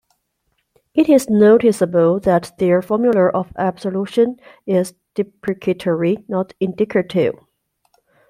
It is noticeable that their formula of absolution is deprecatory, not indicative.